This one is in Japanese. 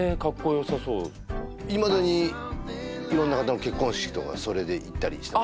よさそういまだに色んな方の結婚式とかそれで行ったりしてます